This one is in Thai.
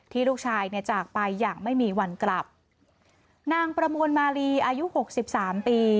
ลูกชายเนี่ยจากไปอย่างไม่มีวันกลับนางประมวลมาลีอายุหกสิบสามปี